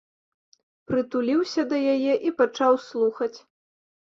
Прытуліўся да яе і пачаў слухаць.